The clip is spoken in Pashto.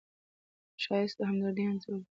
ښایست د همدردۍ انځور دی